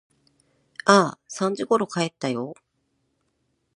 ああ、三時ころ帰ったよ。